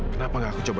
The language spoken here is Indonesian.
kenapa nggak aku coba